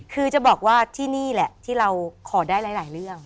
คือจะบอกว่าที่นี่แหละที่เราขอได้หลายเรื่อง